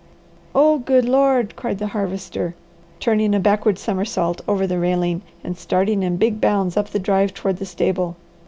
"Oh good Lord!" cried the Harvester, turning a backward somersault over the railing and starting in big bounds up the drive toward the stable.